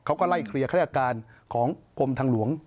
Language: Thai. เขาก็ไล่เคลียร์ฆาตการของกรมทางหลวง